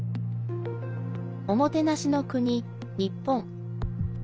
おもてなしの国、日本。